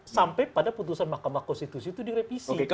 sampai pada putusan mahkamah konstitusi itu direvisi